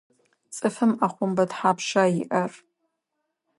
Цӏыфым ӏэхъомбэ тхьапша иӏэр?